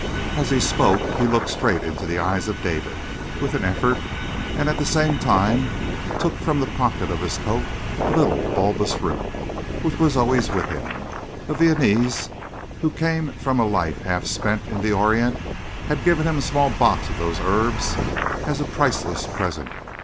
As he spoke, he looked straight into the eyes of David, with an effort, and at the same time took from the pocket of his coat a little bulbous root which was always with him. A Viennese who came from a life half spent in the Orient had given him a small box of those herbs as a priceless present.